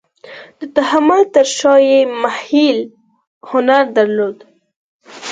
د تحمل تر شا یې محیل هنر درلود.